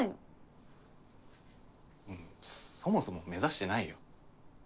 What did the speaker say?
そもそも目指してないよ。